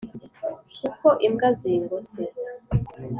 Kuko imbwa zingose